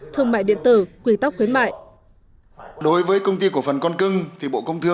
thương mại điện tử quy tắc khuyến mại